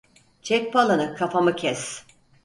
Çek palanı kafamı kes!